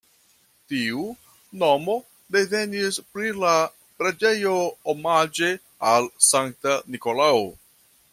Tiu nomo devenis pri la preĝejo omaĝe al Sankta Nikolao.